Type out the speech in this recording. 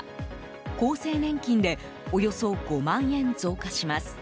厚生年金でおよそ５万円増加します。